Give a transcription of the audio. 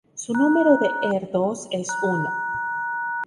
Su número de Erdős es uno.